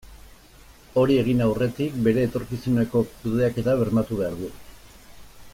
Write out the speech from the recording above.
Hori egin aurretik bere etorkizuneko kudeaketa bermatu behar du.